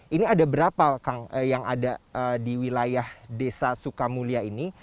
ini ada berapa kang yang ada di wilayah desa sukamulya ini